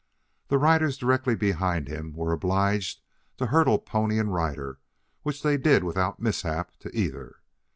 The riders directly behind him were obliged to hurdle pony and rider, which they did without mishap to either.